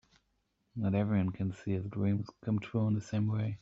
Not everyone can see his dreams come true in the same way.